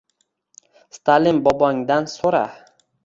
— Stalin bobongdan so’ra!..